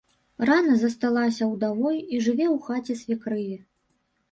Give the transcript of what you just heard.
Рана засталася ўдавой і жыве ў хаце свекрыві.